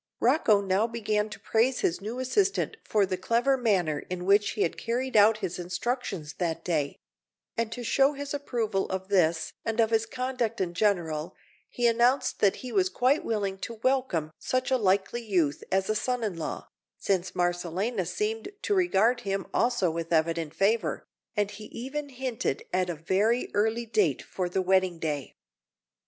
Rocco now began to praise his new assistant for the clever manner in which he had carried out his instructions that day; and to show his approval of this and of his conduct in general, he announced that he was quite willing to welcome such a likely youth as a son in law, since Marcellina seemed to regard him also with evident favour, and he even hinted at a very early date for the wedding day.